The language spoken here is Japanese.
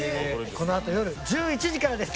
このあと夜１１時からです。